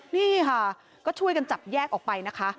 นี่ค่ะก็ช่วยกันจับแยกออกไปนะคะ